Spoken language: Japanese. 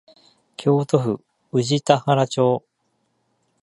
京都府宇治田原町